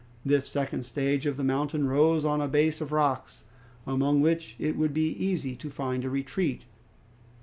This second stage of the mountain rose on a base of rocks, among which it would be easy to find a retreat.